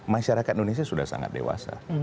masyarakat indonesia sudah sangat dewasa